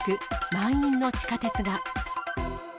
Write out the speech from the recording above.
満員の地下鉄が。